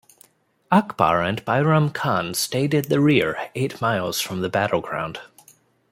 Akbar and Bairam Khan stayed in the rear, eight miles from the battleground.